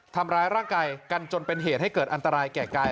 ทำร้ายร่างกายกันจนเป็นเหตุให้เกิดอันตรายแก่กาย